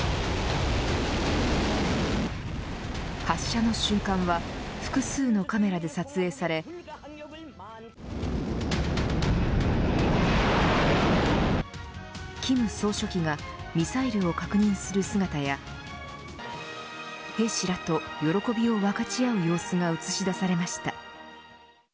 発射の瞬間は複数のカメラで撮影され金総書記がミサイルを確認する姿や兵士らと喜びを分かち合う様子が映し出されました。